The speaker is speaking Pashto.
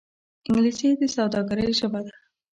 انګلیسي د سوداګرۍ ژبه ده